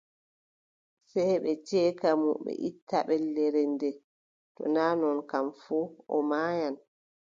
Sey ɓe ceeka mo ɓe itta ɓellere ndee, to naa non kam fuu, o maayan.